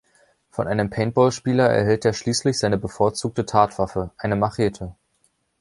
Von einem Paintball-Spieler erhält er schließlich seine bevorzugte Tatwaffe, eine Machete.